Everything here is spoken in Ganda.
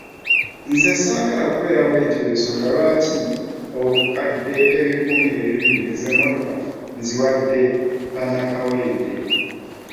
Nze saagala kubeera bwetyo y’ensonga lwaki obukadde ebikumi bibiri ez’emmotoka nziwadde bannakawempe.